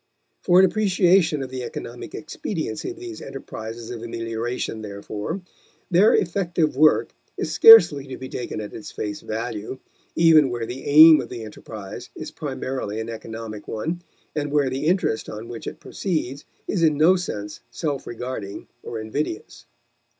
For an appreciation of the economic expediency of these enterprises of amelioration, therefore, their effective work is scarcely to be taken at its face value, even where the aim of the enterprise is primarily an economic one and where the interest on which it proceeds is in no sense self regarding or invidious.